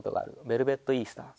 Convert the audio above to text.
『ベルベット・イースター』